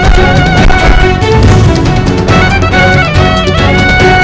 kamunya sudah maardon